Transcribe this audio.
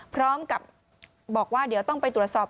พร้อมกับบอกว่าเดี๋ยวต้องไปตรวจสอบ